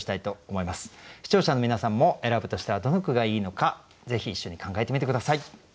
視聴者の皆さんも選ぶとしたらどの句がいいのかぜひ一緒に考えてみて下さい。